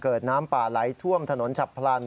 น้ำป่าไหลท่วมถนนฉับพลัน